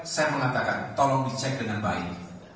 saya mengatakan tolong dicek dengan baik